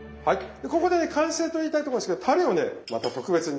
でここで完成と言いたいとこですけどたれをねまた特別に。